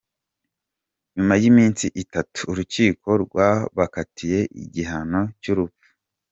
Nyuma y’iminsi itatu, urukiko rwabakatiye igihano cy’urupfu.